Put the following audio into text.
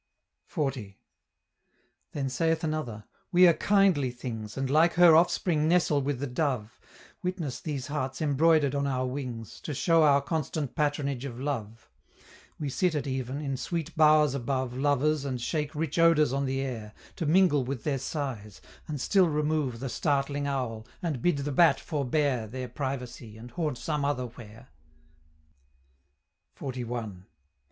XL. Then saith another, "We are kindly things, And like her offspring nestle with the dove, Witness these hearts embroidered on our wings, To show our constant patronage of love: We sit at even, in sweet bow'rs above Lovers, and shake rich odors on the air, To mingle with their sighs; and still remove The startling owl, and bid the bat forbear Their privacy, and haunt some other where." XLI.